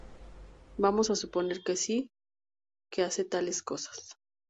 Vamos a suponer que sí que hace tales cosas.